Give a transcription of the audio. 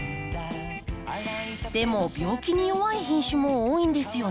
でも病気に弱い品種も多いんですよね。